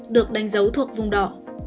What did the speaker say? được đánh dấu thuộc vùng đỏ